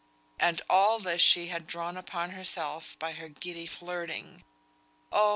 And all this she had drawn upon herself by her giddy flirting. Oh!